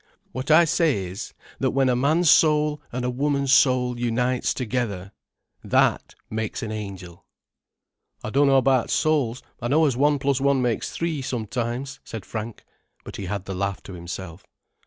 What I say is, that when a man's soul and a woman's soul unites together—that makes an Angel——" "I dunno about souls. I know as one plus one makes three, sometimes," said Frank. But he had the laugh to himself.